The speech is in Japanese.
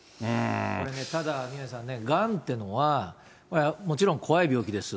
これ、ただね、宮根さん、がんっていうのは、もちろん怖い病気です。